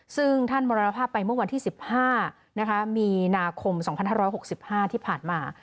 ซึ่งท่านมรณภาพไปเมื่อวันที่๑๕มีนาคม๒๕๖๕ที่ผ่านมา